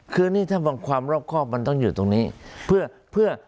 คือนี่ถ้าบางความรอบครอบมันต้องอยู่ตรงนี้เพื่อเพื่อ